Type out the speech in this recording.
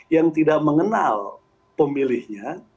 yang tidak mengenal pemilihnya